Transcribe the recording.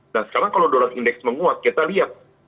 dan sekarang kalau dollar index menguat kita lihat